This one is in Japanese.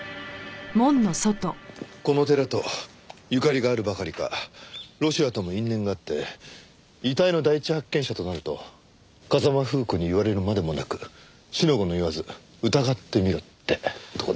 この寺とゆかりがあるばかりかロシアとも因縁があって遺体の第一発見者となると風間楓子に言われるまでもなく四の五の言わず疑ってみろってとこですかね。